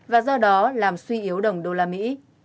và do đó làm suy yếu đồng đô la mỹ